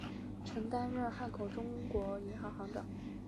曾担任汉口中国银行行长。